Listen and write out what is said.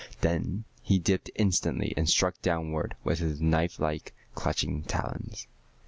Then he dipped instantly and struck downward with his knifelike, clutching talons.